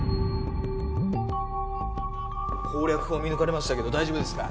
攻略法見抜かれましたけど大丈夫ですか？